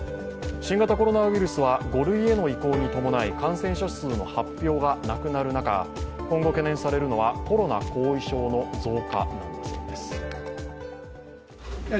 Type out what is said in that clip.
新型コロナウイルスは５類への移行に伴い感染者数の発表がなくなる中、今後懸念されるのはコロナ後遺症の増加です。